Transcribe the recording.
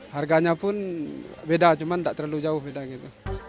harganya pun beda cuma tidak terlalu jauh berbeda